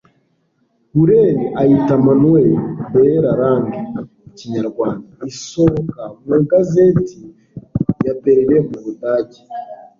hurel ayita manuel de la langue kinyarwanda, isohoka mu igazeti y'i berlin mu budage